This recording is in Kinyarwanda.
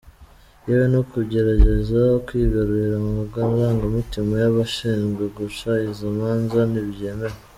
Yewe no kugerageza kwigarurira amarangamutima y’abashinzwe guca izo manza ntibyemewe.